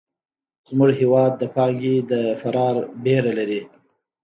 زموږ هېواد د پانګې د فرار وېره لري.